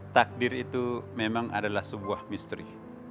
takdir itu memang adalah sebuah misteri